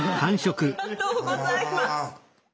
ありがとうございます。